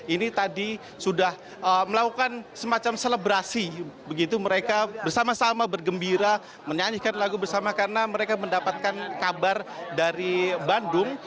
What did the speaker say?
ini tadi sudah melakukan semacam selebrasi begitu mereka bersama sama bergembira menyanyikan lagu bersama karena mereka mendapatkan kabar dari bandung